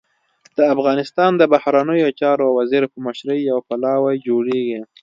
د افغانستان د بهرنیو چارو وزیر په مشرۍ يو پلاوی جوړېږي.